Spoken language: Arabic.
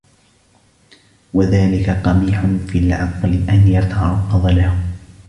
وَذَلِكَ قَبِيحٌ فِي الْعَقْلِ أَنْ يَتَعَرَّضَ لَهُ